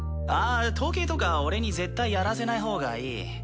ああ統計とか俺に絶対やらせないほうがいい。